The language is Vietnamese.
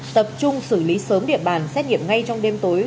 tập trung xử lý sớm địa bàn xét nghiệm ngay trong đêm tối